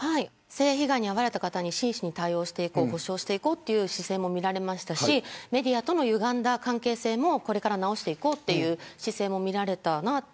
性被害に遭われた方に真摯に対応していこう補償していこうという姿勢もみられましたしメディアとのゆがんだ関係性もこれから直していこうという姿勢も見られたなと。